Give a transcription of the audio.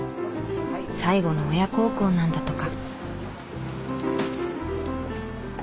最後の親孝行なんだとか。